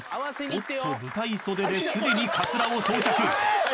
おっと舞台袖ですでにカツラを装着］おい！